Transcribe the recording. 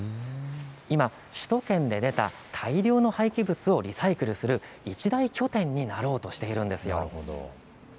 今、首都圏で出た大量の廃棄物をリサイクルする一大拠点になろうとしているんです。